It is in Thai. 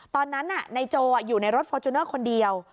ตอนนั้นนายโจอยู่ในรถฟอร์จูเนอร์คนเดียว